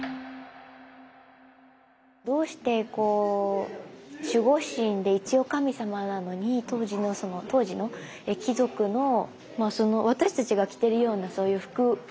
どうして守護神で一応神様なのに当時の貴族の私たちが着てるようなそういう服を着てるんですか？